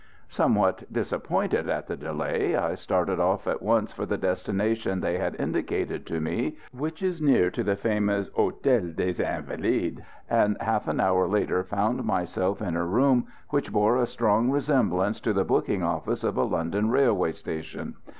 Somewhat disappointed at the delay, I started off at once for the destination they had indicated to me, which is near to the famous Hôtel des Invalides, and half an hour later found myself in a room which bore a strong resemblance to the booking office of a London railway station.